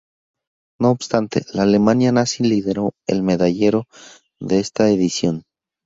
No obstante, la Alemania Nazi lideró el medallero de esta edición.